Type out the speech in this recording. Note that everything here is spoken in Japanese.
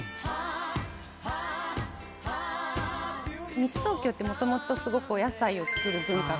「西東京って元々すごくお野菜を作る文化が」